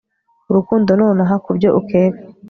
urukundo nonaha, kubyo ukeka